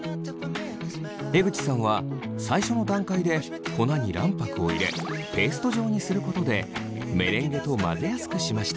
江口さんは最初の段階で粉に卵白を入れペースト状にすることでメレンゲと混ぜやすくしました。